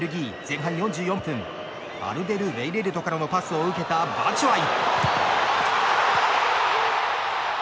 前半４４分アルデルウェイレルトからのパスを受けた、バチュアイ！